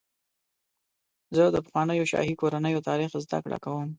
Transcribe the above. زه د پخوانیو شاهي کورنیو تاریخ زدهکړه کوم.